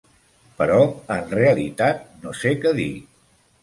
Però, en realitat, no sé què dir.